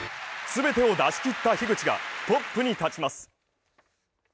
全てを出し切った樋口がトップに立ちます。